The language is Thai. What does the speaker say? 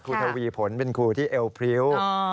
ทวีผลเป็นครูที่เอวพริ้ว